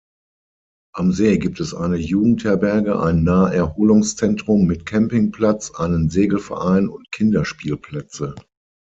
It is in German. Am See gibt es eine Jugendherberge, ein Naherholungszentrum mit Campingplatz, einen Segelverein und Kinderspielplätze.